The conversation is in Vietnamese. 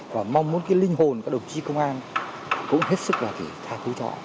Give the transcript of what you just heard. và mong muốn cái linh hồn các đồng chi công an cũng hết sức là để tha túi họ